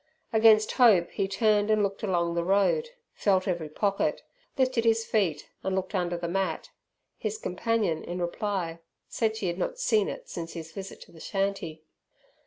Against hope he turned and looked along the road; felt every pocket, lifted his feet, and looked under the mat. His companion, in reply, said she had not seen it since his visit to the shanty.